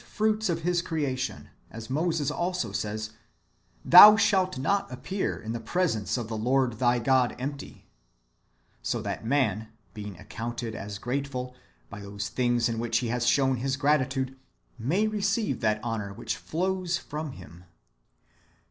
fruits of His creation, as Moses also says, " Thou shalt not appear in the presence of the Lord thy God empty ;"^ so that man, being accounted as grateful, by those things in which he has shown his gratitude, may receive that honour which flows from Him.